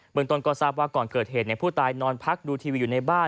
เมืองต้นก็ทราบว่าก่อนเกิดเหตุผู้ตายนอนพักดูทีวีอยู่ในบ้าน